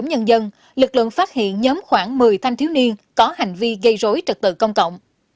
nhân dân lực lượng phát hiện nhóm khoảng một mươi thanh thiếu niên có hành vi gây rối trật tự công cộng